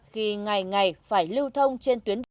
khi ngày ngày phải lưu thông trên tuyến đường